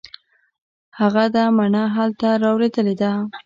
هغه ده مڼه هلته رالوېدلې ده.